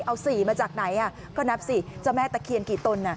เอาสี่มาจากไหนอ่ะก็นับสี่เจ้าแม่ตะเคียนกี่ตนอ่ะ